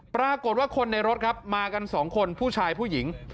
ปรากฏว่าคนในรถครับมากันสองคนผู้ชายผู้หญิง